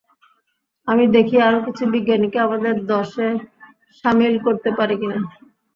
আমি দেখি আরো কিছু বিজ্ঞানীকে আমাদের দলে শামিল করতে পারি কিনা।